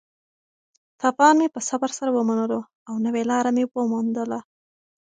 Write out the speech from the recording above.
تاوان مې په صبر سره ومنلو او نوې لاره مې وموندله.